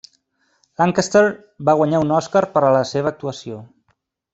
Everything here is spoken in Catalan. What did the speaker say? Lancaster va guanyar un Oscar per a la seva actuació.